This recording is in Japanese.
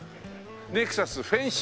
「ネクサスフェンシ」